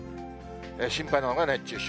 心配なのが熱中症。